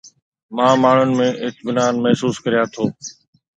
مان ماڻهن ۾ اطمينان محسوس ڪريان ٿو